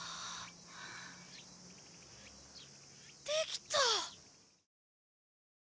できた！